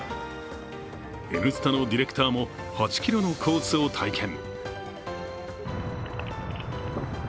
「Ｎスタ」のディレクターも８ｋｍのコースを体験。